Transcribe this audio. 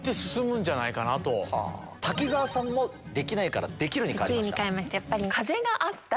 滝沢さんも「できない」から「できる」に変わりました。